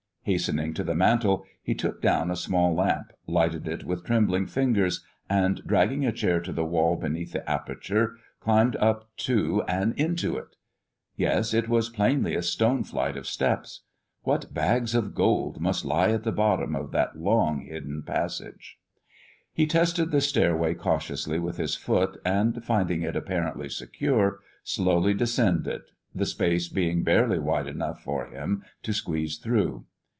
Hastening to the mantel, he took down a small lamp, lighted it with trembling fingers, and dragging a chair to the wall beneath the aperture, climbed up to and into it. Yes, it was plainly a stone flight of steps. What bags of gold must lie at the bottom of that long hidden passage? He tested the stairway cautiously with his foot, and, finding it apparently secure, slowly descended, the space being barely wide enough for him to squeeze through.